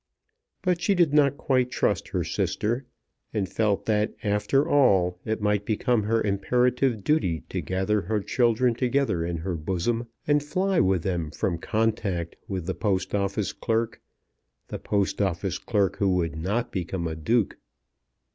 But she did not quite trust her sister, and felt that after all it might become her imperative duty to gather her children together in her bosom, and fly with them from contact with the Post Office clerk, the Post Office clerk who would not become a Duke.